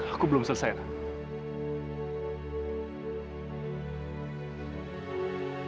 aku belum selesai nanda